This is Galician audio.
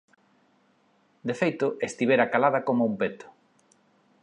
De feito, estivera calada como un peto.